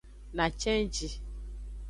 Na cenji.